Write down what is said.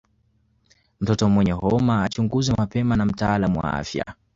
Mtoto mwenye homa achunguzwe mapema na mtaalamu wa afya